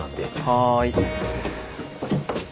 はい。